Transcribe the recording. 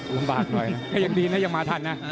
ลำบากหน่อยนะก็ยังดีนะยังมาทันนะ